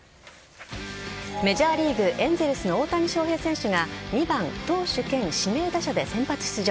メジャーリーグエンゼルスの大谷翔平選手が２番・投手兼指名打者で先発出場。